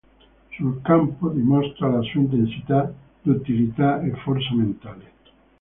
Sul campo dimostra la sua intensità, duttilità e forza mentale.